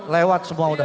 lewat semua udah